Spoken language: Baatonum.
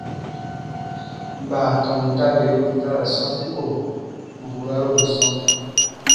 Baatɔn dabiru ta ra sɔ̃ti ko burarun sɔ̃,